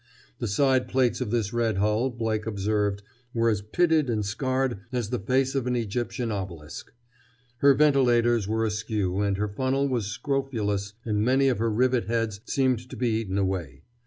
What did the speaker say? The side plates of this red hull, Blake observed, were as pitted and scarred as the face of an Egyptian obelisk. Her ventilators were askew and her funnel was scrofulous and many of her rivet heads seemed to be eaten away.